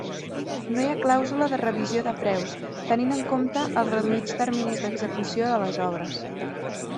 No hi ha clàusula de revisió de preus, tenint en compte els reduïts terminis d'execució de les obres.